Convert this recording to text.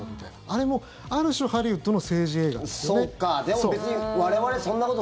あれも、ある種ハリウッドの政治映画ですよね。